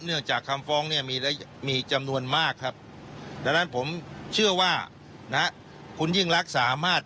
เนื่องจากคำฟ้องนี้มีจำนวนมากดังนั้นผมเชื่อว่าคุณยิ่งรักสามารห์